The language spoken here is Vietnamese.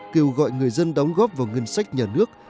kêu gọi người dân đóng góp vào ngân sách nhà nước